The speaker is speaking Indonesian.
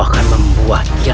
saya akan membuatnya